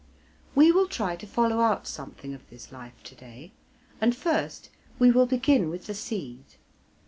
We will try to follow out something of this life to day; and first, we will begin with the seed.